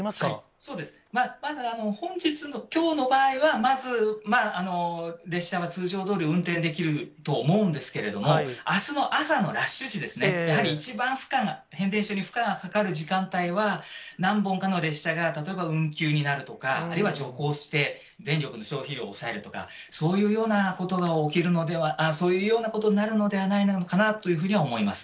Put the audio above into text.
そうです、まだ、本日、きょうの場合は、まず列車は通常どおり運転できると思うんですけれども、あすの朝のラッシュ時ですね、やはり一番負荷が、変電所に負荷がかかる時間帯は、何本かの列車が、例えば運休になるとか、あるいは徐行して電力の消費量を抑えるとか、そういうようなことになるのではないかなと思います。